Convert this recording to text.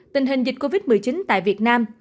tình hình dịch covid một mươi chín tại việt nam